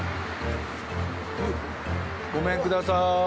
ごめんください。